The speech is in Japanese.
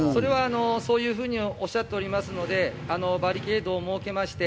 それはそういうふうにおっしゃっていますので、バリケードを設けました。